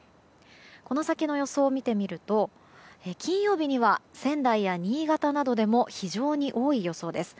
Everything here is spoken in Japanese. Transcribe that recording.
この先の予想を見てみると金曜日には、仙台や新潟などでも非常に多い予想です。